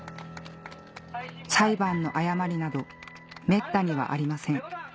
裁判の誤りなどめったにはありません